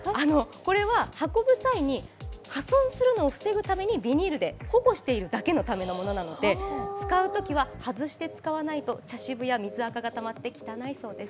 これは運ぶ際に破損するのを防ぐためにビニールで保護しているためだけのものなので使うときは外して使わないと茶渋や水あかがたまって汚いそうです。